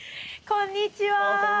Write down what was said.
こんにちは。